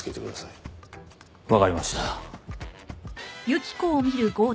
わかりました。